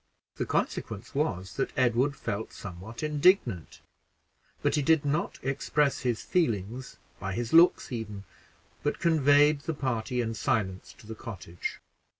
The consequence was that Edward felt somewhat indignant; but he did not express his feelings, by his looks even, but conveyed the party in silence to the cottage.